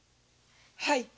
はい。